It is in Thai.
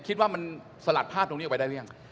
คิดว่ามันสลัดภาพตรงนี้ออกไปได้หรือยัง